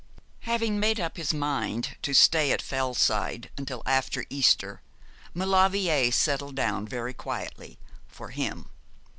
Having made up his mind to stay at Fellside until after Easter, Maulevrier settled down very quietly for him.